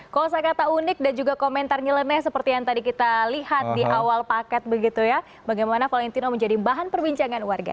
kosa kata unik dan juga komentar nyeleneh seperti yang tadi kita lihat di awal paket begitu ya bagaimana valentino menjadi bahan perbincangan warga